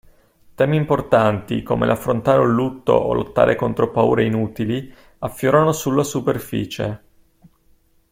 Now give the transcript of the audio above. Temi importanti, come l'affrontare un lutto o lottare contro paure inutili, affiorano sulla superficie.